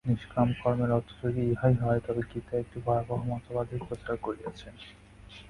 নিষ্কাম কর্মের অর্থ যদি ইহাই হয়, তবে গীতা একটি ভয়াবহ মতবাদই প্রচার করিয়াছেন।